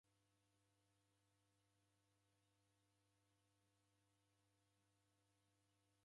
W'andu w'eshinulwa w'oru'wu ni kifwa chape.